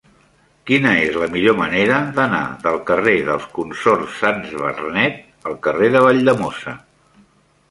Quina és la millor manera d'anar del carrer dels Consorts Sans Bernet al carrer de Valldemossa?